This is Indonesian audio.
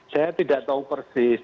saya tidak tahu persis